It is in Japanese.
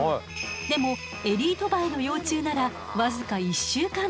でもエリートバエの幼虫なら僅か１週間で作れちゃうの。